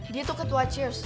dia tuh ketua cheers